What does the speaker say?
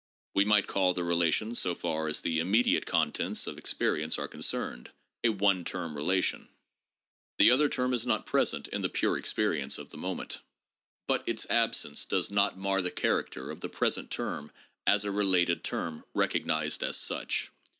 We might call the relation, so far as the immediate contents of experience are concerned, a one term relation ; the other term is not present in the ' pure experience ' of the moment. But its absence does not mar the character of the present term as a related term, recognized as such.